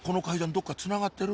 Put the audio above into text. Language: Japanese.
どっかつながってる？